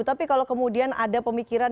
tapi kalau kemudian ada pemikiran